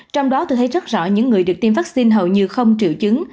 trong đó tôi thấy rất rõ những người được tiêm vaccine hầu như không triệu chứng